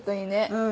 うん。